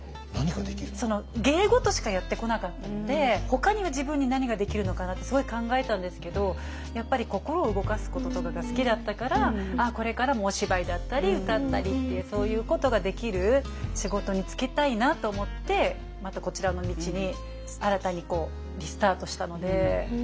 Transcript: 芸事しかやってこなかったのでほかには自分に何ができるのかなってすごい考えたんですけどやっぱり心を動かすこととかが好きだったからこれからもお芝居だったり歌ったりっていうそういうことができる仕事に就きたいなと思ってまたこちらの道に新たにリスタートしたので。